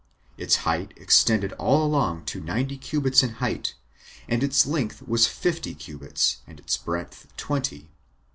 Its height extended all along to ninety cubits in height, and its length was fifty cubits, and its breadth twenty.